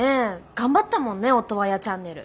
頑張ったもんねオトワヤチャンネル。